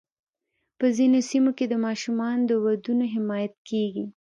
په ځینو سیمو کې د ماشومانو د ودونو حمایت کېږي.